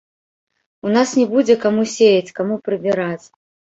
У нас не будзе каму сеяць, каму прыбіраць.